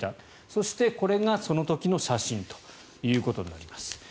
そして、これがその時の写真ということです。